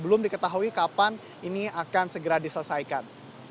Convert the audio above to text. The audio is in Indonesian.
belum diketahui kapan ini akan segera diselesaikan